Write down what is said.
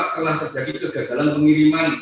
telah terjadi kegagalan pengiriman